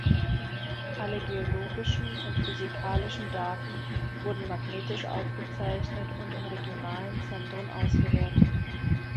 Alle geologischen und physikalischen Daten wurden magnetisch aufgezeichnet und in regionalen Zentren ausgewertet.